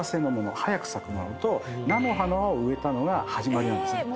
早く咲く物と菜の花を植えたのが始まりなんですね。